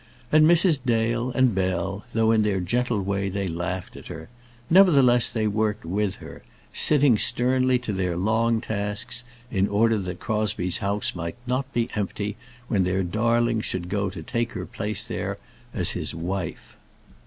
And Mrs. Dale and Bell, though in their gentle way they laughed at her, nevertheless they worked with her, sitting sternly to their long tasks, in order that Crosbie's house might not be empty when their darling should go to take her place there as his wife.